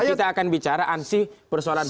kita akan bicara ansih persoalan hukum